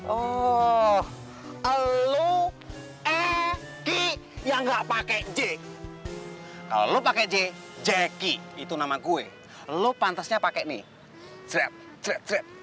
oh elo eki yang enggak pakai j kalau pakai j jeki itu nama gue lu pantasnya pakai nih